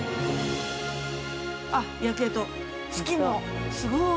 ◆あっ、夜景と、月がすごい。